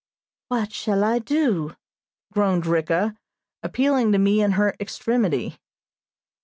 "What shall I do?" groaned Ricka, appealing to me in her extremity.